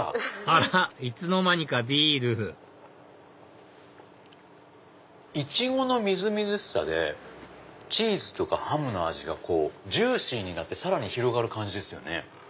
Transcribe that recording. あらいつの間にかビールイチゴのみずみずしさでチーズとかハムの味がジューシーになってさらに広がる感じですよね。